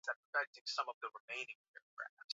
na nitawasilisha muswada huu kwa bunge la congress